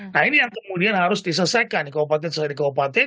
nah ini yang kemudian harus diselesaikan di kabupaten selesai di kabupaten